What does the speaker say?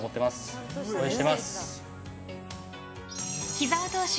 木澤投手